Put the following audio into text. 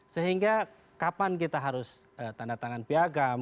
sehingga kapan kita harus tanda tangan piagam